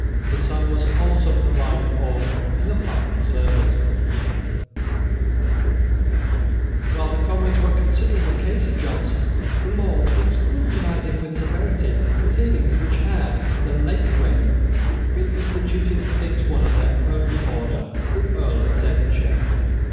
His son was also provided for in the public service, While the Commons were considering the case of Johnson, the Lords were scrutinising with severity the proceedings which had, in the late reign, been instituted against one of their own order, the Earl of Devonshire.